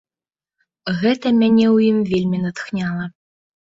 Гэта мяне ў ім вельмі натхняла.